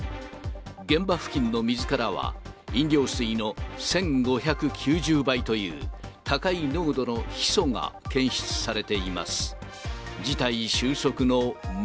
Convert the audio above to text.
現場付近の水からは飲料水の１５９０倍という、高い濃度のヒ素が検出されています。